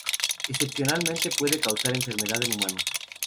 Excepcionalmente puede causar enfermedad en humanos.